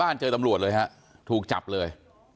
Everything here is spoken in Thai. บ้านเจอตรรวจเลยครับถูกจับเลย